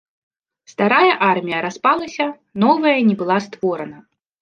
Старая армія распалася, новая не была створана.